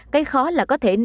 cái khó là có thể